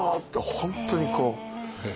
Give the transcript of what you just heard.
本当にこう。